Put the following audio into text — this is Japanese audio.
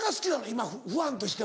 今ファンとしては。